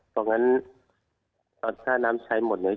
เพราะฉะนั้นถ้าน้ำใช้หมดเนี่ย